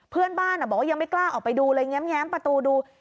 เพื่อนบ้านบอกว่ายังไม่กล้าออกไปดูเลยแง้มประตูดู